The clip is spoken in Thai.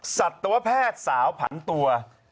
สัตวแพทย์สาวผันตัว